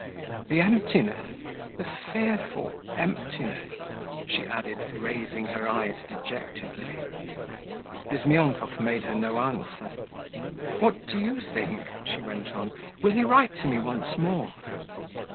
The emptiness, the fearful emptiness!' she added, raising her eyes dejectedly. Bizmyonkov made her no answer. 'What do you think,' she went on: 'will he write to me once more?'